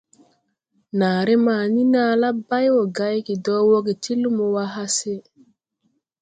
Naaré ma ni naa la bay wo gay ge do woge ti lumo wa hase.